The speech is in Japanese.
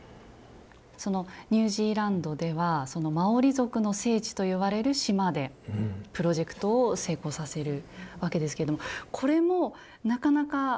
そのニュージーランドではそのマオリ族の聖地といわれる島でプロジェクトを成功させるわけですけどこれもなかなかその設置している時に大変なことがあったと。